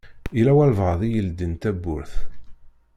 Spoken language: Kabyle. Yella walebɛaḍ i yeldin tawwurt.